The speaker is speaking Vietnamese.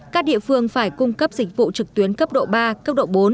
các địa phương phải cung cấp dịch vụ trực tuyến cấp độ ba cấp độ bốn